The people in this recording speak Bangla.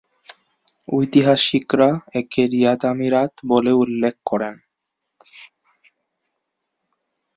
ঐতিহাসিকরা একে রিয়াদ আমিরাত বলেও উল্লেখ করেন।